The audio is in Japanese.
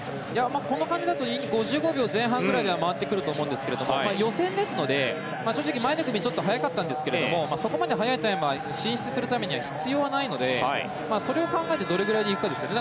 この感じだと５５秒前半くらいで回ってくると思うんですけど予選ですので正直、前の組は速かったんですけどそれほど速いタイムは決勝進出するために必要ないのでそれを考えてどれくらいでいくかですね。